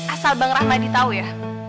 asal bang rahmadi tahu ya